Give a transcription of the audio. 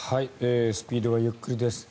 スピードはゆっくりです。